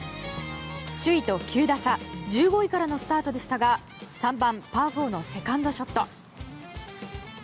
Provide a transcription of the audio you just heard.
首位と９打差１５位からのスタートでしたが３番、パー４のセカンドショット。